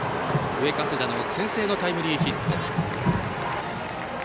上加世田の先制のタイムリーヒット。